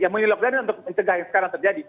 mini lockdown itu untuk mencegah yang sekarang terjadi